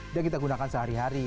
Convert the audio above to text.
dan kita gunakan sehari hari